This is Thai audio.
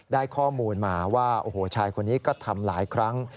ได้ข้อมูลมาว่าโอ้โหชายคนนี้ก็ทำหลายครั้ง